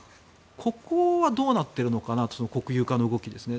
ここはどうなってるのかなと国有化の動きですね。